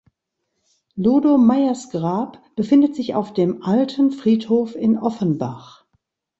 Ludo Mayers Grab befindet sich auf dem Alten Friedhof in Offenbach.